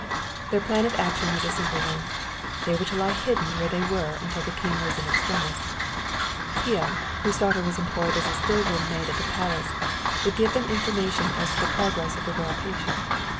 Their plan of action was a simple one. They were to lie hidden where they were until the king was in extremis. Pia, whose daughter was employed as a still room maid at the Palace, would give them information as to the progress of the royal patient.